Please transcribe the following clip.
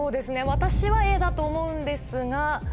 私はＡだと思うんですが。